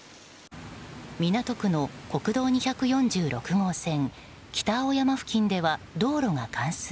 港区の国道２４６号線北青山付近では道路が冠水。